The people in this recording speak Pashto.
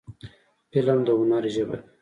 فلم د هنر ژبه ده